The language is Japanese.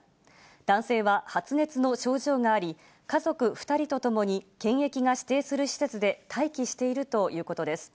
男性は発熱の症状があり、家族２人と共に、検疫が指定する施設で待機しているということです。